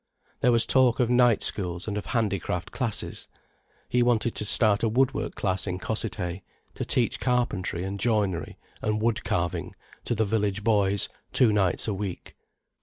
There was talk of night schools, and of handicraft classes. He wanted to start a woodwork class in Cossethay, to teach carpentry and joinery and wood carving to the village boys, two nights a week.